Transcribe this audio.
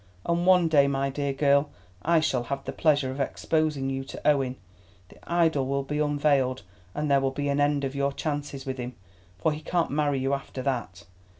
And one day, my dear girl, I shall have the pleasure of exposing you to Owen; the idol will be unveiled, and there will be an end of your chances with him, for he can't marry you after that.